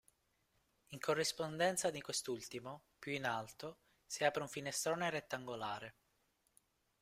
In corrispondenza di quest'ultimo, più in alto, si apre un finestrone rettangolare.